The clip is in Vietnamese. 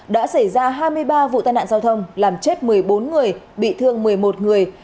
đã xảy ra hai mươi ba vụ tai nạn giao thông làm chết một mươi bốn người bị thương một mươi một người